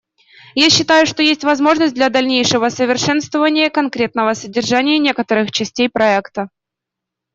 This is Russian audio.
Я считаю, что есть возможность для дальнейшего совершенствования конкретного содержания некоторых частей проекта.